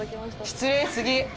失礼すぎ。